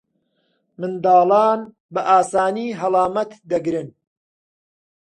منداڵان بەئاسانی هەڵامەت دەگرن.